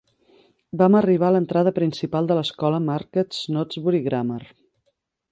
Vam arribar a l'entrada principal de l'escola Market Snodsbury Grammar.